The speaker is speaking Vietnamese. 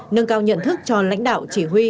nâng cao nhận thức cho lãnh đạo chỉ huy